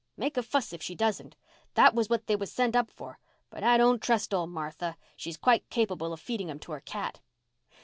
Make a fuss if she doesn't. That was what they was sent up for—but I don't trust old Martha. She's quite capable of feeding 'em to her cat."